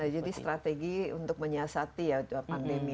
jadi strategi untuk menyiasati ya pandemi